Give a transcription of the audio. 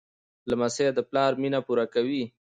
لمسی د پلار مینه پوره کوي.